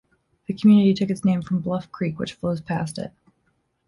The community took its name from Bluff Creek, which flows past it.